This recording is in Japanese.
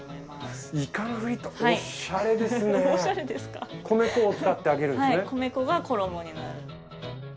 はい米粉が衣になる。